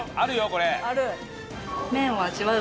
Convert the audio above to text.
これ。